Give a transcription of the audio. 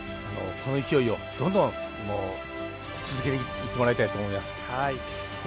この勢いをどんどん続けていってもらいたいと思います。